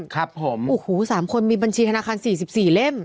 ครับผมโอ้โห๓คนมีบัญชีธนาคาร๔๔เล่ม